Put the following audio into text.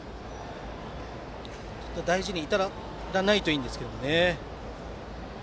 大事に至らないといいですが。